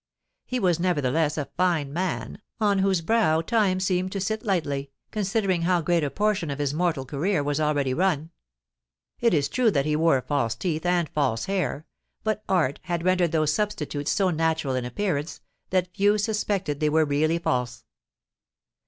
He was nevertheless a fine man, on whose brow time seemed to sit lightly, considering how great a portion of his mortal career was already run. It is true that he wore false teeth and false hair; but art had rendered those substitutes so natural in appearance, that few suspected they were really false.